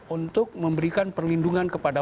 untuk memberikan perlindungan kepada